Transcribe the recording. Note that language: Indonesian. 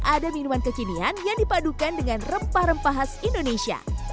ada minuman kekinian yang dipadukan dengan rempah rempah khas indonesia